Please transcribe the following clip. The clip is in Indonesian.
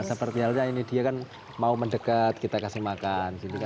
seperti halnya ini dia kan mau mendekat kita kasih makan